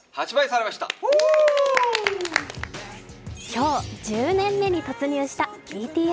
今日１０年目に突入したＢＴＳ。